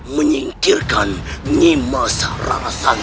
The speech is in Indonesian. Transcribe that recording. menyingkirkan nimas rara santang